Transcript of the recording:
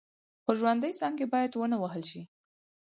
خو ژوندۍ څانګې باید ونه وهل شي.